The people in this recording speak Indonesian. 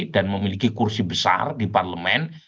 dan memiliki kursi besar di parlemen